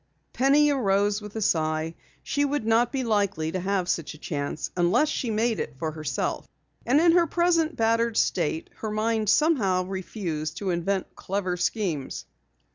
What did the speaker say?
Penny arose with a sigh. She would not be likely to have such a chance unless she made it for herself. And in her present battered state, her mind somehow refused to invent clever schemes.